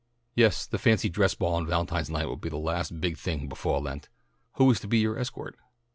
"Yes, the fancy dress ball on Valentine's night will be the last big thing befoah Lent." "Who is to be your escort?"